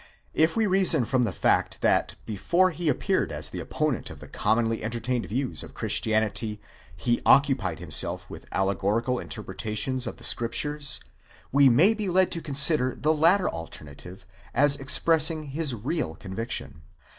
If we reason from the fact, that before he appeared as the opponent of the commonly entertained views of Christianity, he occupied himself with allegorical interpretations of the Scrip tures,? we may be led to consider the latter alternative as expressing his. real conviction.